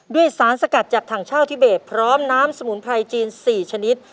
ด้วยสารสกัดจากถังเช่าทิเบสพร้อมน้ำสมุนไพรจีน๔ชนิด